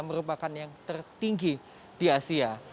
merupakan yang tertinggi di asia